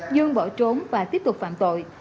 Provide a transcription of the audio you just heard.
dương bỏ trốn và tiếp tục phạm tội